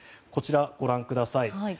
こちら、ご覧ください。